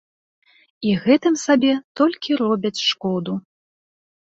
І гэтым сабе толькі робяць шкоду.